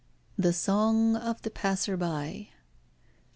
THE SONG OF THE PASSER BY.